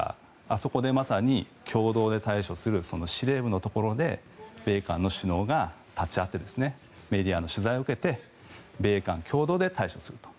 あそこでまさに共同で対処する司令部のところで米韓の首脳が立ち会ってメディアの取材を受けて米韓共同で対処すると。